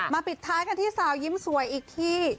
ปิดท้ายกันที่สาวยิ้มสวยอีกที่